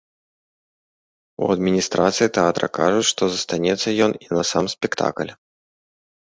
У адміністрацыі тэатра кажуць, што застанецца ён і на сам спектакль.